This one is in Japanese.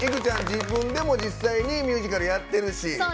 自分でも実際にミュージカルやってるし。